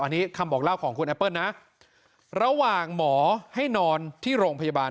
อันนี้คำบอกเล่าของคุณแอปเปิ้ลนะระหว่างหมอให้นอนที่โรงพยาบาล